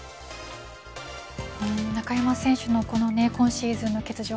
中山選手のこの今シーズンの欠場